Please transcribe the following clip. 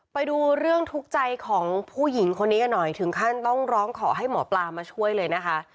ไปดูเรื่องทุกข์ใจของผู้หญิงคนนี้กันหน่อยถึงขั้นต้องร้องขอให้หมอปลามาช่วยเลยนะคะ